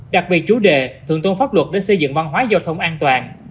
đặc biệt chủ đề thượng tôn pháp luật để xây dựng văn hóa giao thông an toàn